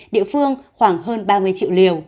địa phương khoảng hơn ba mươi triệu liều